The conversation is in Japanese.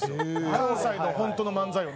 関西の本当の漫才を見て。